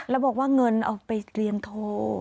แล้วบอกว่าเงินเอาไปเรียนโทร